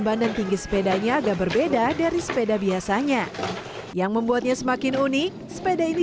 bandeng tinggi sepedanya agak berbeda dari sepeda biasanya yang membuatnya semakin unik sepeda ini